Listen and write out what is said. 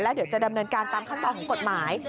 แล้วเดี๋ยวจะดำเนินการตามข้างต่อของกฎหมาย